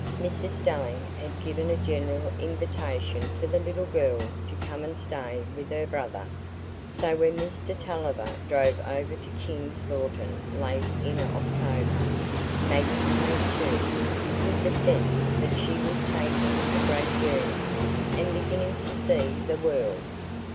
Mrs Stelling had given a general invitation for the little girl to come and stay with her brother; so when Mr Tulliver drove over to King's Lorton late in October, Maggie came too, with the sense that she was taking a great journey, and beginning to see the world.